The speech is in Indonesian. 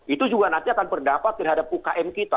itu juga nanti akan berdampak terhadap ukm kita